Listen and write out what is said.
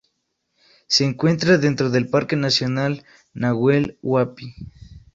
Se encuentra dentro del Parque nacional Nahuel Huapi.